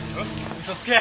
嘘つけ！